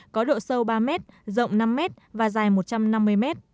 có độ sâu ba m rộng năm m và dài một trăm năm mươi m